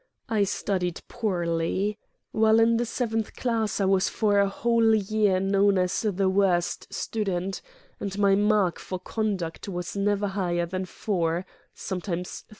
I studied poor ly; while in the seventh class I was for a whole year known as the worst student, and my mark for conduct was never higher than 4, sometimes 3.